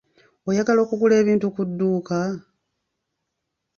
Oyagala okugula ebintu ku dduuka?